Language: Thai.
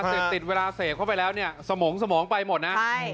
เสพติดเวลาเสพเข้าไปแล้วเนี่ยสมองสมองไปหมดนะ